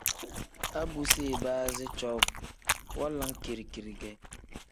A bu si ibaazi cowuu wanlam kiri-kiri ge.